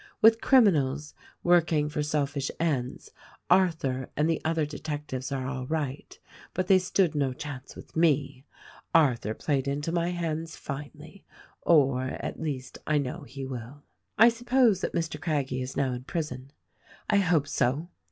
With criminals, working for selfish ends, Arthur and the other detectives are all right; but they stood no chance with me. Arthur played into my hands finely — or, at least, I know he will. "I suppose that Mr. Craggie is now in prison. I hope so.